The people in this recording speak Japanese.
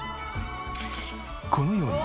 このように